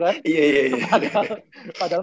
padahal lo bener bener